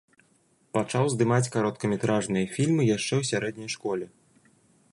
Пачаў здымаць кароткаметражныя фільмы яшчэ ў сярэдняй школе.